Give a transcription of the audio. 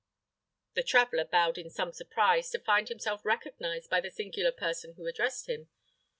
The traveller bowed in some surprise to find himself recognised by the singular person who addressed him.